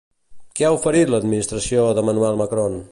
Què ha oferit l'administració d'Emmanuel Macron?